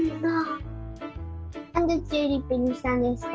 なんでチューリップにしたんですか？